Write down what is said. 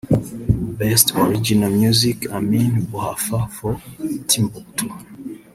Best Original Music Amine Bouhafa for Timbuktu